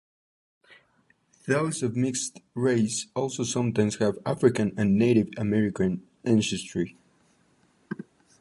Those of mixed race also sometimes have African and Native American ancestry.